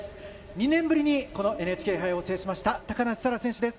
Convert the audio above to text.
２年ぶりにこのＮＨＫ杯を制しました高梨沙羅選手です。